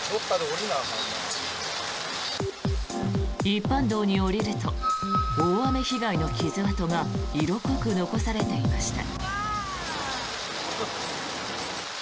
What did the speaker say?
一般道に降りると大雨被害の傷痕が色濃く残されていました。